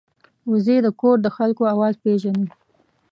وزې د کور د خلکو آواز پېژني